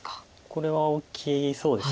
これは大きそうです。